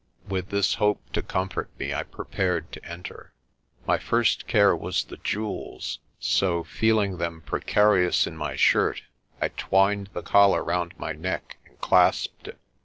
With this hope to comfort me I prepared to enter. My first care was the jewels so, feeling them precarious in my shirt, I twined the collar round my neck and clasped it.